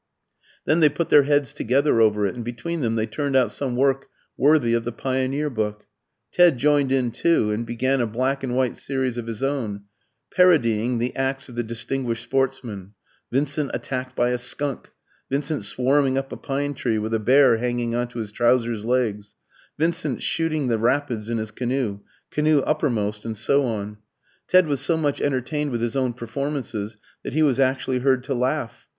Then they put their heads together over it, and between them they turned out some work worthy of the Pioneer book. Ted joined in too, and began a black and white series of his own, parodying the acts of the distinguished sportsman: Vincent attacked by a skunk; Vincent swarming up a pine tree with a bear hanging on to his trousers' legs; Vincent shooting the rapids in his canoe canoe uppermost; and so on. Ted was so much entertained with his own performances that he was actually heard to laugh.